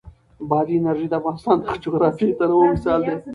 بادي انرژي د افغانستان د جغرافیوي تنوع مثال دی.